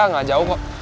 enggak jauh kok